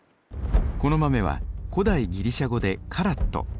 この豆は古代ギリシャ語でカラット。